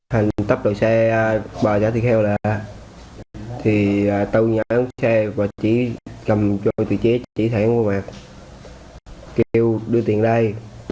hành tập đổi xe bà giá thịt heo ra thì tâu nhắn xe và chỉ cầm cho tùy chế chỉ thẳng hoặc kêu đưa tiền đây